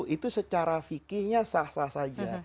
itu secara fikihnya sah sah saja